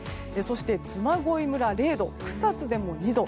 嬬恋村は０度草津でも２度。